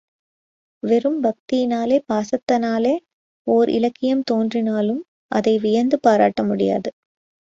வெறும் பக்தியினாலே பாசத்தினாலே ஓர் இலக்கியம் தோன்றினாலும் அதை வியந்து பாராட்ட முடியாது.